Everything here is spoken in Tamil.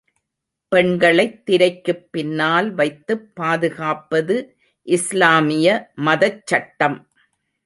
பெண்களைத் திரைக்குப் பின்னால் வைத்துப் பாதுகாப்பது இஸ்லாமிய மதச்சட்டம்.